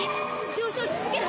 上昇し続ける！